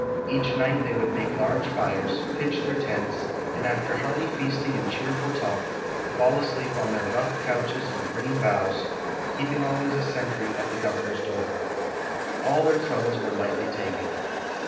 Each night they would make large fires, pitch tlieir tents, and after hearty feasting and cheerful talk fall asleep on their rough couches of green boughs, keeping always a sentry at the governor's door. All their troubles were lightl\' taken.